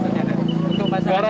dan banyak kesadaran